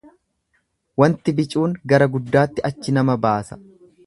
Wanti bicuun gara guddaatti achi nama baasa.